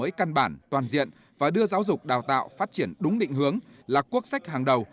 đổi mới căn bản toàn diện và đưa giáo dục đào tạo phát triển đúng định hướng là quốc sách hàng đầu